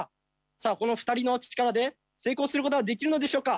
さあこの２人の力で成功することはできるのでしょうか？